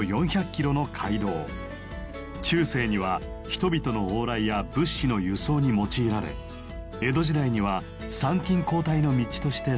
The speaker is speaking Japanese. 中世には人々の往来や物資の輸送に用いられ江戸時代には参勤交代の道として栄えました。